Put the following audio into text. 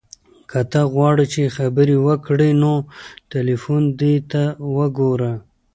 که ته غواړې چې خبرې وکړو نو تلیفون دې ته وګوره.